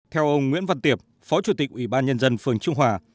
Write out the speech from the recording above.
theo ông nguyễn văn tiệp phó chủ tịch ủy ban nhân dân phường trung hòa